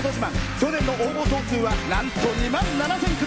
去年の応募総数はなんと２万７０００組。